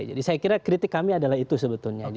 jadi saya kira kritik kami adalah itu sebetulnya